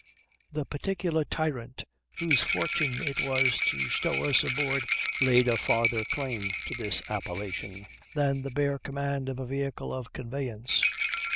The particular tyrant whose fortune it was to stow us aboard laid a farther claim to this appellation than the bare command of a vehicle of conveyance.